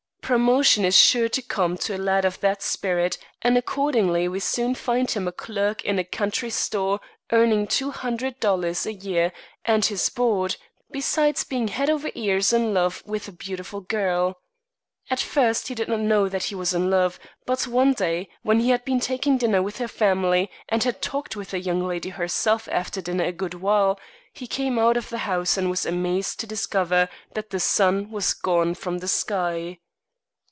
Promotion is sure to come to a lad of that spirit, and accordingly we soon find him a clerk in a country store earning two hundred dollars a year and his board, besides being head over ears in love with a beautiful girl. At first he did not know that he was in love; but, one day, when he had been taking dinner with her family, and had talked with the young lady herself after dinner a good while, he came out of the house, and was amazed to discover that the sun was gone from the sky.